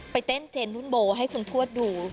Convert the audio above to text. เต้นเจนรุ่นโบให้คุณทวดดู